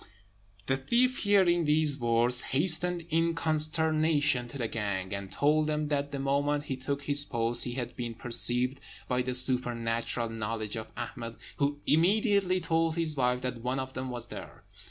The thief, hearing these words, hastened in consternation to the gang, and told them that the moment he took his post he had been perceived by the supernatural knowledge of Ahmed, who immediately told his wife that one of them was there.